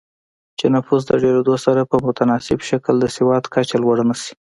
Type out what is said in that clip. چې نفوس د ډېرېدو سره په متناسب شکل د سواد کچه لوړه نه شي